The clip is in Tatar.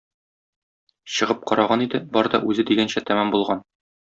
Чыгып караган иде, бар да үзе дигәнчә тәмам булган.